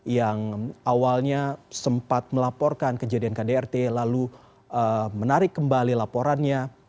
yang awalnya sempat melaporkan kejadian kdrt lalu menarik kembali laporannya